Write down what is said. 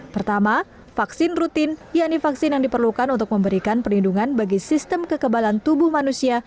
pertama vaksin rutin yakni vaksin yang diperlukan untuk memberikan perlindungan bagi sistem kekebalan tubuh manusia